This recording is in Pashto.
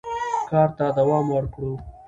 کار ته دوام ورکړو.